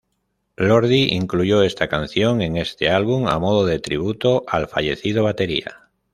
Lordi incluyó esta canción en este álbum a modo de tributo al fallecido batería.